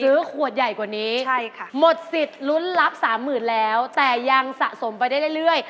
ซื้อขวดใหญ่กว่านี้หมดสิทธิ์ลุ้นรับ๓๐๐๐๐แล้วแต่ยังสะสมไปได้เรื่อย